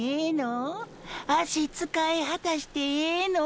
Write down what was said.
足使い果たしてエエの？